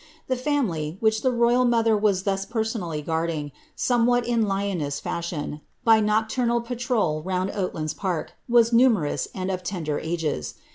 The family, which the royal mo ther was thus personally guarding, somewhat in lioness fashion, by noc tiimsl patrole round Oatlands Park, was numerous and of tender ages.